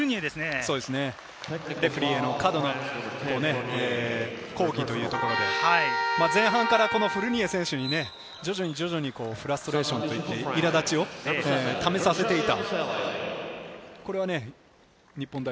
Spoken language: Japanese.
レフェリーへの過度な抗議ということで、前半からフルニエ選手に徐々にフラストレーション、苛立ちをためさせていた。